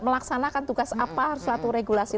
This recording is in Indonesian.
melaksanakan tugas apa suatu regulasi